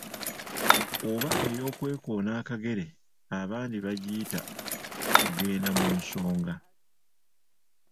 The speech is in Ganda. Oba “ey'okwekoona akagere” abandi bagiyita “kugenda mu nsonga”.